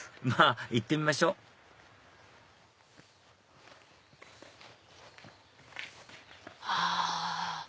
まぁ行ってみましょはぁ。